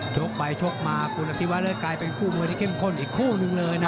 ชกไปชกมาคุณอธิวะเลยกลายเป็นคู่มวยที่เข้มข้นอีกคู่หนึ่งเลยนะ